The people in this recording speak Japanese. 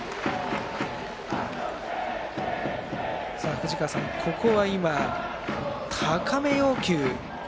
藤川さん、ここは高め要求。